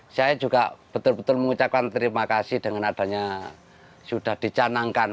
saya juga betul betul mengucapkan terima kasih dengan adanya sudah dicanangkan